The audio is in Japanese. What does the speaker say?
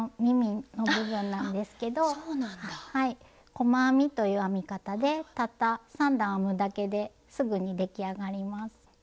「細編み」という編み方でたった３段編むだけですぐに出来上がります。